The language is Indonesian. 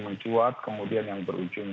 mencuat kemudian yang berujung